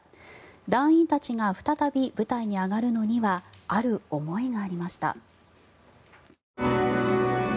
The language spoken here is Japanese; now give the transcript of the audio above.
団員たちが再び舞台に上がるのにはある思いがありました。